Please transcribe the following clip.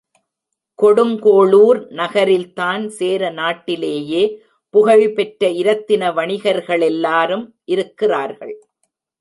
கொடுங்கோளூர் நகரில்தான் சேர நாட்டிலேயே புகழ்பெற்ற இரத்தின வணிகர்களெல்லாரும் இருக்கிறார்கள்.